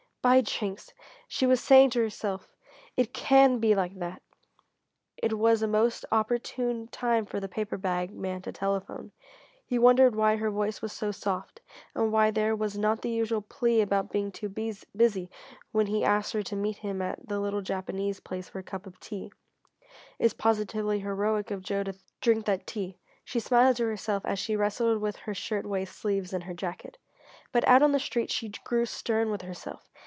"By Jinks," she was saying to herself "it can be like that!" It was a most opportune time for the paper bag man to telephone. He wondered why her voice was so soft, and why there was not the usual plea about being too busy when he asked her to meet him at the little Japanese place for a cup of tea. "And it's positively heroic of Joe to drink that tea," she smiled to herself, as she wrestled with her shirt waist sleeves and her jacket. But out on the street she grew stern with herself.